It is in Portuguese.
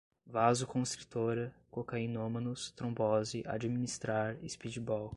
vasoconstritora, cocainômanos, trombose, administrar, speedball